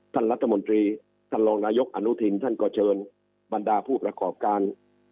ท่านรัฐมนตรีท่านรองนายกอนุทินท่านก็เชิญบรรดาผู้ประกอบการ